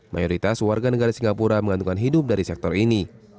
mayoritas warga negara singapura mengantungkan hidup dari sektor ini